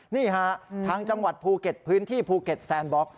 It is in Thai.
นี่ฮะทางจังหวัดภูเก็ตพื้นที่ภูเก็ตแซนบล็อก